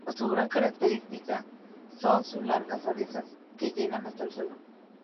Su gran característica son sus largas orejas que llegan hasta el suelo.